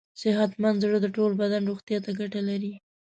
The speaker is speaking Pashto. صحتمند زړه د ټول بدن روغتیا ته ګټه لري.